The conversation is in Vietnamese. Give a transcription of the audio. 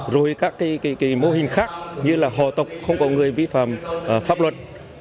rồi các mô hình khác như là hò tộc không có người vi phạm pháp luật